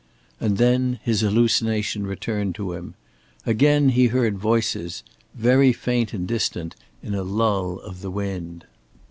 And then his hallucination returned to him. Again he heard voices, very faint, and distant, in a lull of the wind.